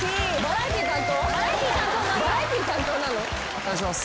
お願いします。